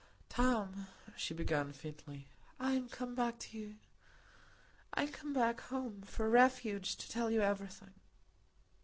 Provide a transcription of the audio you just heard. "Tom," she began faintly, "I am come back to you,—I am come back home—for refuge—to tell you everything."